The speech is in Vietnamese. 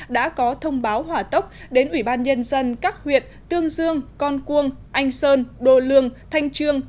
đã có thông báo hỏa tốc đến ủy ban nhân dân các huyện tương dương con cuông anh sơn đô lương thanh trương